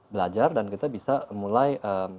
belajar dan kita bisa mulai